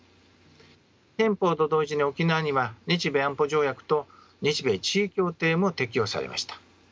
憲法と同時に沖縄には日米安保条約と日米地位協定も適用されました。